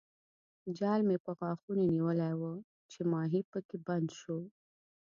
جال مې په غاښونو نیولی وو چې ماهي پکې بند شو.